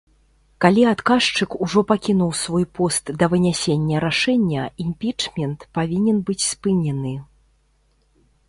Калі адказчык ужо пакінуў свой пост да вынясення рашэння, імпічмент павінен быць спынены.